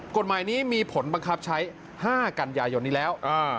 กฎหมายนี้มีผลบังคับใช้๕กันยายนนี้แล้ว